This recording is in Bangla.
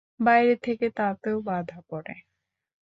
বাইরে থেকে তাতেও বাধা পড়ে।